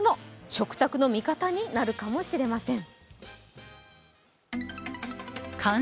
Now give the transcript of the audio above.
食卓の味方になるかもしれません。